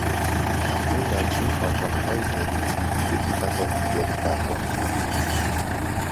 اکنون در چین کارخانههای جدیدی یکی پس از دیگری بر پا میشود.